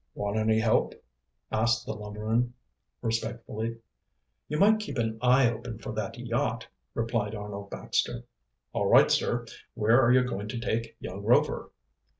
"Want any help?" asked the lumberman respectfully. "You might keep an eye open for that yacht," replied Arnold Baxter. "All right, sir. Where are you going to take young Rover?"